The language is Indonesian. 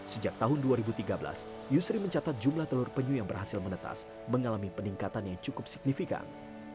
sejak tahun dua ribu tiga belas yusri mencatat jumlah telur penyu yang berhasil menetas mengalami peningkatan yang cukup signifikan